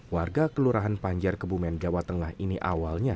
warga kelurahan panjar kebumen jawa tengah ini awalnya